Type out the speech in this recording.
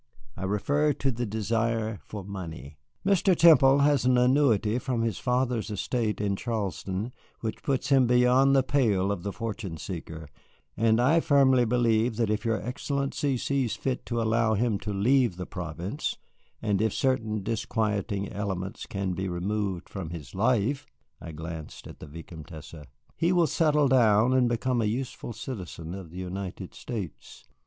I refer to the desire for money. Mr. Temple has an annuity from his father's estate in Charleston which puts him beyond the pale of the fortune seeker, and I firmly believe that if your Excellency sees fit to allow him to leave the province, and if certain disquieting elements can be removed from his life" (I glanced at the Vicomtesse), "he will settle down and become a useful citizen of the United States.